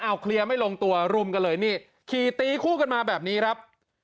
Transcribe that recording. เอาเคลียร์ไม่ลงตัวรุมกันเลยนี่ขี่ตีคู่กันมาแบบนี้ครับ